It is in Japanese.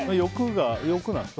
欲なんですか？